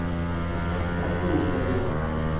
แล้วตูจะดูอะไร